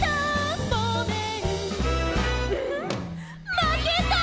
まけた」